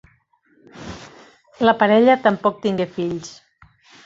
La parella tampoc tingué fills.